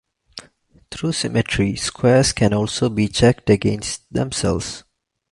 Through symmetry squares can also be checked against themselves.